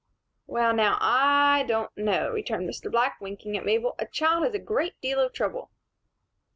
"Well now, I don't know," returned Mr. Black, winking at Mabel. "A child is a great deal of trouble."